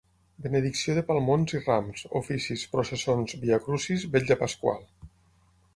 Benedicció de palmons i rams, oficis, processons, Via Crucis, Vetlla Pasqual.